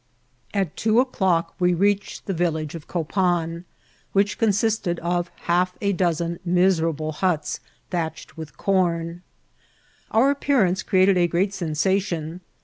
At two o'clock we reached the village of CqpaUi COPAM. 01 which consiated of half a dozen miserable huts thatch ed with corn. Our appearance created a great sensa tion.